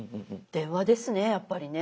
電話ですねやっぱりね。